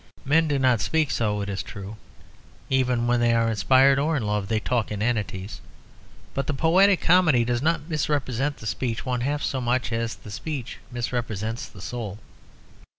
Men do not speak so, it is true. Even when they are inspired or in love they talk inanities. But the poetic comedy does not misrepresent the speech one half so much as the speech misrepresents the soul.